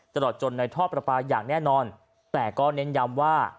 ตลอดจนในท่อประปาอย่างแน่นอนแต่ก็เน้นย้ำว่า